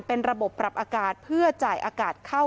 เป็นระบบปรับอากาศเพื่อจ่ายอากาศเข้า